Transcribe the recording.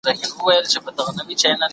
هر سړی خپله لاره لري .